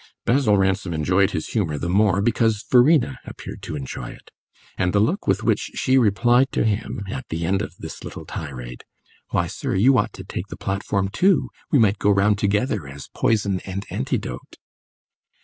Basil Ransom enjoyed his humour the more because Verena appeared to enjoy it; and the look with which she replied to him, at the end of this little tirade, "Why, sir, you ought to take the platform too; we might go round together as poison and antidote!"